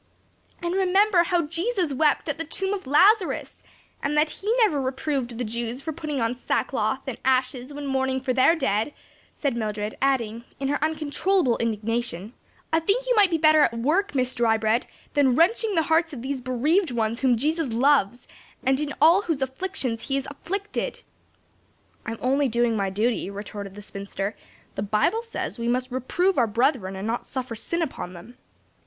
"And remember how Jesus wept at the tomb of Lazarus, and that he never reproved the Jews for putting on sackcloth and ashes when mourning for their dead," said Mildred, adding, in her uncontrollable indignation, "I think you might be at better work, Miss Drybread, than wrenching the hearts of these bereaved ones whom Jesus loves, and in all whose afflictions He is afflicted." "I'm only doing my duty," retorted the spinster; "the Bible says we must reprove our brethren and not suffer sin upon them."